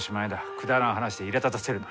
くだらん話でいらだたせるな。